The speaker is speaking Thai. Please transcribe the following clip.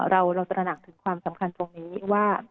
เราตระหนักถึงความสำคัญตรงนี้ว่า